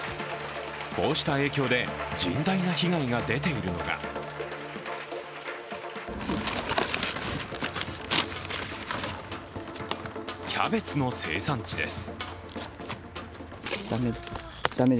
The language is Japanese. こうした影響で甚大な被害が出ているのがキャベツの生産地です。